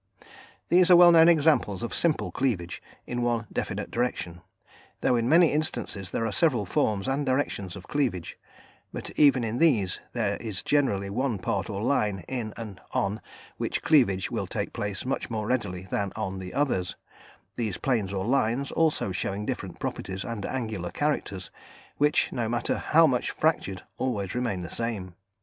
These are well known examples of simple cleavage, in one definite direction, though in many instances there are several forms and directions of cleavage, but even in these there is generally one part or line in and on which cleavage will take place much more readily than on the others, these planes or lines also showing different properties and angular characters, which, no matter how much fractured, always remain the same.